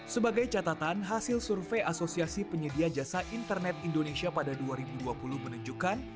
sebagai catatan hasil survei asosiasi penyedia jasa internet indonesia pada dua ribu dua puluh menunjukkan